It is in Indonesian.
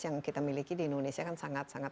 yang kita miliki di indonesia kan sangat sangat